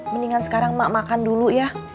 mendingan sekarang mak makan dulu ya